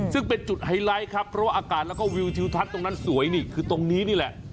ซึ่งเป็นจุดไฮไลท์ครับเพราะว่าอากาศแล้วก็วิวทิวทัศน์ตรงนั้นสวยนี่คือตรงนี้นี่แหละ